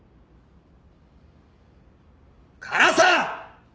唐沢！